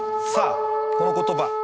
さあこの言葉。